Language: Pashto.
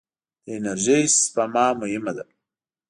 د انرژۍ سپما مهمه ده.